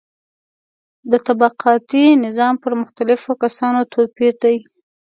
د طبقاتي نظام پر مختلفو کسانو توپیر دی.